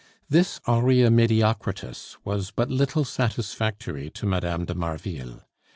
This aurea mediocritas was but little satisfactory to Mme. de Marville.